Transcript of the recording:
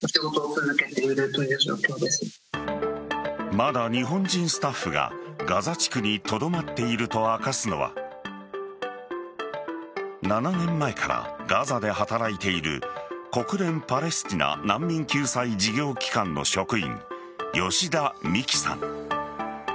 まだ、日本人スタッフがガザ地区にとどまっていると明かすのは７年前からガザで働いている国連パレスチナ難民救済事業機関の職員吉田美紀さん。